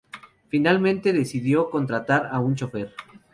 Finalmente decidió contratar a un chófer.